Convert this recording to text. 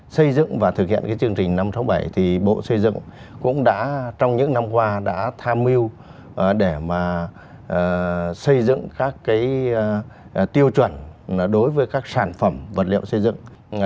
xây dựng và thực hiện chương trình năm sáu bảy thì bộ xây dựng cũng đã trong những năm qua đã tham mưu để xây dựng các tiêu chuẩn đối với các sản phẩm vật liệu xây dựng